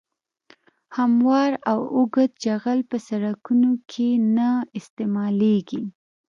هموار او اوږد جغل په سرکونو کې نه استعمالیږي